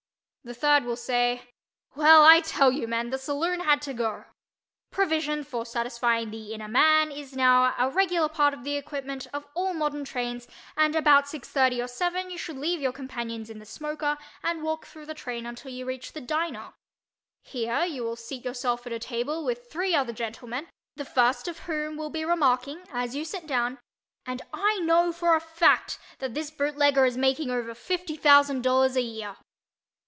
The third will say "Well, I tell you, men—the saloon had to go." Provision for satisfying the "inner man" is now a regular part of the equipment of all modern trains, and about 6:30 or 7 you should leave your companions in the "smoker" and walk through the train until you reach the "diner." Here you will seat yourself at a table with three other gentlemen, the first of whom will be remarking, as you sit down, "and I know for a fact that this bootlegger is making over fifty thousand dollars a year."